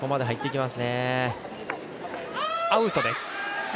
アウトです。